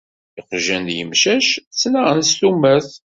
Iqjan d yemcac ttnaɣen s tumert.